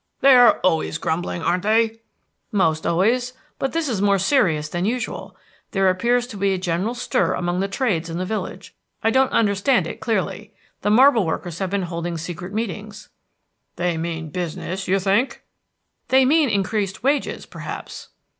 "They are always grumbling, aren't they?" "Most always, but this is more serious than usual; there appears to be a general stir among the trades in the village. I don't understand it clearly. The marble workers have been holding secret meetings." "They mean business, you think?" "They mean increased wages, perhaps."